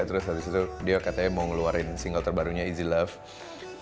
terus habis itu dia katanya mau ngeluarin single terbarunya easy love